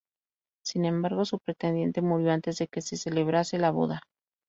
Sin embargo, su pretendiente murió antes de que se celebrase la boda.